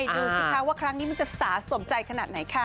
ดูสิคะว่าครั้งนี้มันจะสาสมใจขนาดไหนค่ะ